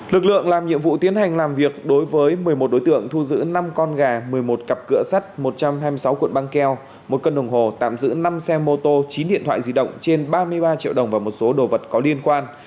lực lượng làm nhiệm vụ tiến hành làm việc đối với một mươi một đối tượng thu giữ năm con gà một mươi một cặp cửa sắt một trăm hai mươi sáu cuộn băng keo một cân đồng hồ tạm giữ năm xe mô tô chín điện thoại di động trên ba mươi ba triệu đồng và một số đồ vật có liên quan